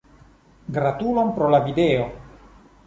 Gratulon, pro la video.